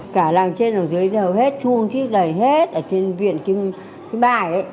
cả làng trên ở dưới đều hết chung chiếc đầy hết ở trên viện cái bài ấy